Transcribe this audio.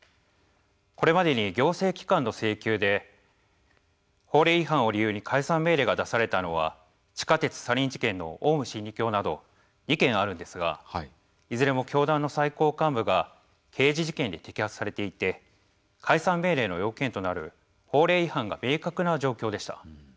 これまでに行政機関の請求で法令違反を理由に解散命令が出されたのは地下鉄サリン事件のオウム真理教など２件あるんですがいずれも教団の最高幹部が刑事事件で摘発されていて解散命令の要件となる法令違反が明確な状況でした。